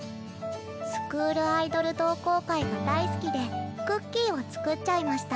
「スクールアイドル同好会が大好きでクッキーを作っちゃいました。